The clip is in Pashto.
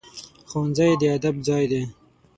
ښوونځی د ادب ځای دی